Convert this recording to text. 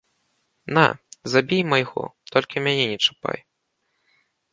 На, забі і майго, толькі мяне не чапай.